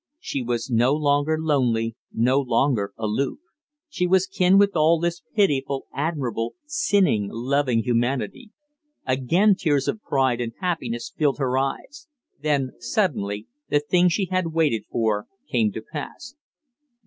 She was no longer lonely, no longer aloof; she was kin with all this pitiful, admirable, sinning, loving humanity. Again tears of pride and happiness filled her eyes. Then suddenly the thing she had waited for came to pass.